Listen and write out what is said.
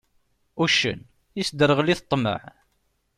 Uccen, yesderγel-it ṭṭmeε.